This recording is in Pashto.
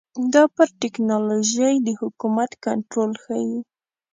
دا پر ټکنالوژۍ د حکومت کنټرول ښيي.